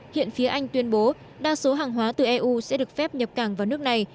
hiện phía anh tuyên bố đa số hàng hóa từ eu sẽ được phép nhập cảng vào nước này